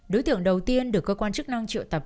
đối tượng đầu tiên được cơ quan chức năng triệu tập